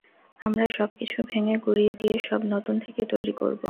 আমরা সবকিছু ভেঙে গুঁড়িয়ে দিয়ে সব নতুন থেকে তৈরি করবো।